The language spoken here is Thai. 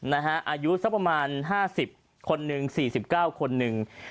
อายุสักประมาณ๕๐คนหนึ่ง๔๙คนหนึ่ง